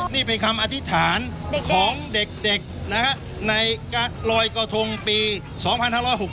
นี่เป็นคำอธิษฐานของเด็กในกรอยกระทงปี๒๕๖๐นี้ครับ